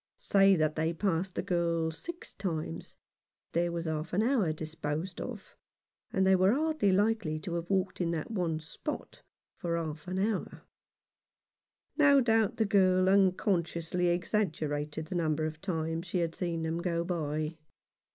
Say that they passed the girl six times, there was half an hour disposed of, and they were hardly likely to have. no John Fauncis Experiences. No. 29. walked in that one spot for half an hour. No doubt the girl unconsciously exaggerated the number of times she had seen them go by.